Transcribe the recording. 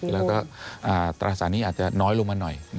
แล้วก็ตราสารนี้อาจจะน้อยลงมาหน่อย